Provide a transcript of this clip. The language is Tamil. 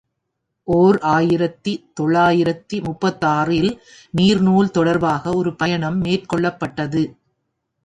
ஓர் ஆயிரத்து தொள்ளாயிரத்து முப்பத்தாறு இல் நீர்நூல் தொடர்பாக ஒரு பயணம் மேற் கொள்ளப்பட்டது.